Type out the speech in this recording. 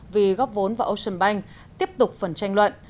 vì góp vốn vào ocean bank tiếp tục phần tranh luận